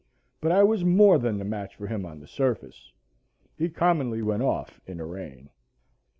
But I was more than a match for him on the surface. He commonly went off in a rain.